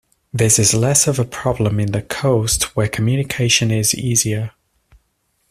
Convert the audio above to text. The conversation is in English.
This is less of a problem in the coast where communication is easier.